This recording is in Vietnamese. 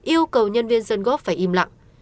yêu cầu nhân viên dân gốc phải im lặng